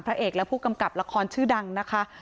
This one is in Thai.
เอกและผู้กำกับละครชื่อดังนะคะ